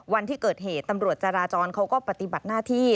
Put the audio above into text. วันที่เกิดเหตุตำรวจจราจรเขาก็ปฏิบัติหน้าที่